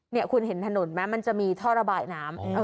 นี่คุณเห็นถนนไหมมันจะมีท่อระบายน้ำ